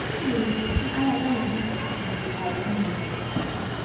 Ssi buli muntu ayagala emmotoka nti alina emmotoka.